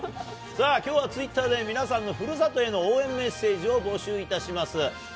さあ、きょうはツイッターで、皆さんのふるさとへの応援メッセージを募集いたします。